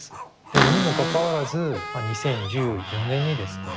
でもにもかかわらず２０１４年にですね